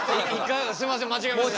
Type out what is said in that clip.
すいませんまちがえました。